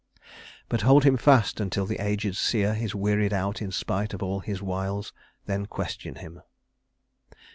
But hold him fast, until the aged seer Is wearied out in spite of all his wiles, Then question him."